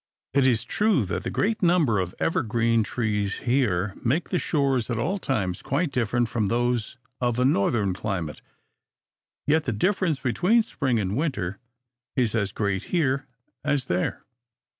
It is true that the great number of evergreen trees here make the shores at all times quite different from those of a Northern climate; yet the difference between spring and winter is as great here as there.